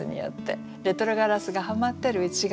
レトロガラスがはまってる内側。